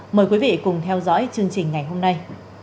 mời quý vị cùng theo dõi chương trình ngày hôm nay